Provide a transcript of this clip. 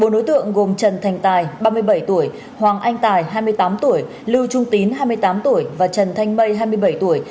bốn đối tượng gồm trần thành tài ba mươi bảy tuổi hoàng anh tài hai mươi tám tuổi lưu trung tín hai mươi tám tuổi và trần thanh mây hai mươi bảy tuổi